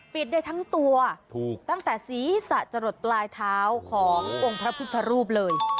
ได้ทั้งตัวถูกตั้งแต่ศีรษะจะหลดปลายเท้าขององค์พระพุทธรูปเลย